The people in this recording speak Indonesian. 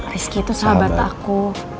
rizky tuh sahabat aku